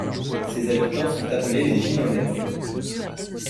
Ses habitants sont appelés les Ginolais.